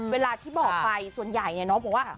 เวลาที่บอกไปส่วนใหญ่เนี่ยน้องบอกว่า